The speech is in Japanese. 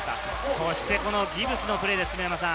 そしてギブスのプレーです。